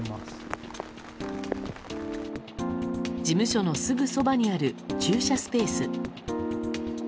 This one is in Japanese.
事務所のすぐそばにある駐車スペース。